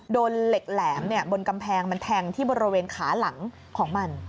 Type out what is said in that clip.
โดนเหล็กแหลมบนกำแพงมันแทงที่บริเวณขาหลังของมัน